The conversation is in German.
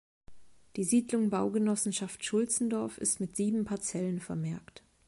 Die Siedlung Baugenossenschaft „Schulzendorf“ ist mit sieben Parzellen vermerkt.